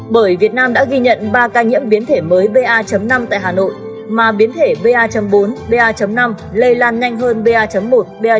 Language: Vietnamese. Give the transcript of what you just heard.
bởi việt nam đã ghi nhận ba ca nhiễm biến thể mới ba năm tại hà nội mà biến thể ba bốn ba năm lây lan nhanh hơn ba một ba hai từ một mươi đến một mươi ba